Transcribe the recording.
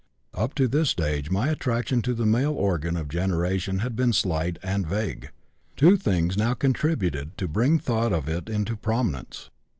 "Up to this stage my attraction to the male organ of generation had been slight and vague. Two things now contributed to bring thought of it into prominence.